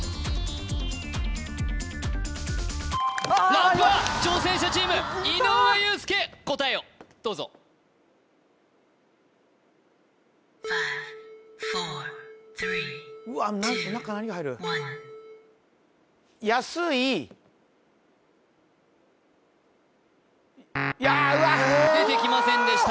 ランプは挑戦者チーム井上裕介答えをどうぞうわ中何が入る？出てきませんでした